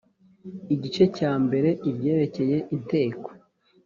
Igice cya mbere ibyerekeye inteko